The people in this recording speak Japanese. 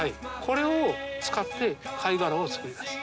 これを使って貝殻を作り出す。